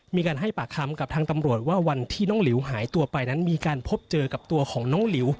มีการให้ปากคำกับทางตำรวจว่าวันที่น้องหลิวหายตัวไปนั้นมีการพบเจอกับตัวของน้องหลิว